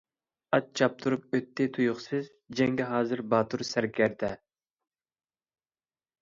ئات چاپتۇرۇپ ئۆتتى تۇيۇقسىز، جەڭگە ھازىر باتۇر سەركەردە.